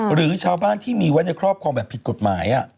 หรือชาวบ้านที่มีไว้ในครอบครองแบบผิดกฎหมาย